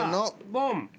ボン！